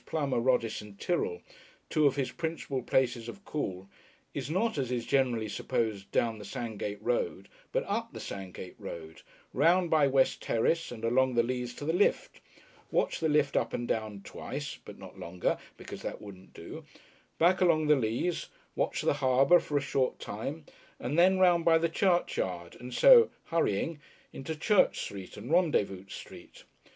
Plummer, Roddis & Tyrrel, two of his principal places of call, is not as is generally supposed down the Sandgate Road, but up the Sandgate Road, round by West Terrace, and along the Leas to the lift, watch the lift up and down twice, but not longer, because that wouldn't do, back along the Leas, watch the Harbour for a short time, and then round by the churchyard, and so (hurrying) into Church Street and Rendezvous Street.